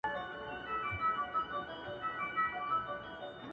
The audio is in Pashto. o نا پاکستانه کنډواله دي کړمه,